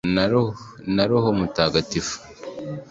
na roho mutagatifu